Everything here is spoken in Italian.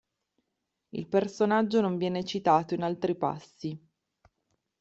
Il personaggio non viene citato in altri passi.